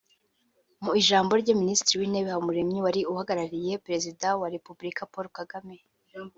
Mu ijambo rye Minisitiri w’Intebe Habumuremyi wari uhagarariye Perezida wa Repubulika Paul Kagame